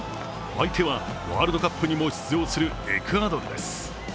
相手はワールドカップにも出場するエクアドルです。